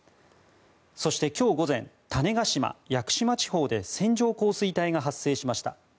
そして、今日午前種子島・屋久島地方で線状降水帯が発生しました。